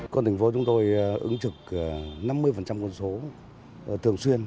còn thành phố chúng tôi ứng trực năm mươi quân số thường xuyên